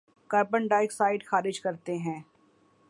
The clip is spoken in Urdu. کاربن ڈائی آکسائیڈ خارج کرتے ہیں